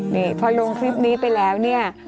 นี่พอลงคลิปนี้ไปแล้วเนี่ย